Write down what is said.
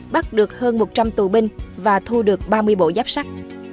bắt được hơn một trăm linh tù binh và thu được ba mươi bộ giáp sắt